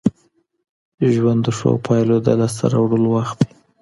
ژوند د ښو پايلو د لاسته راوړلو وخت دی.